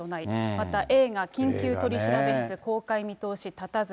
また映画、緊急取調室公開見通し立たず。